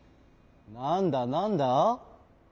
なんだなんだ？